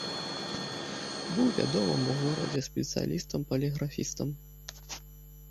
Быў вядомым у горадзе спецыялістам-паліграфістам.